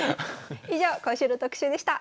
以上今週の特集でした。